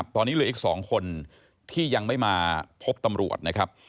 ตอนนี้เหลืออีก๒คนที่ยังไม่มาพบตำรวจนะครับ